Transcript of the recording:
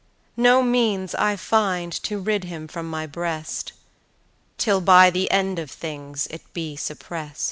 No means I find to rid him from my breast, Till by the end of things it be supprest.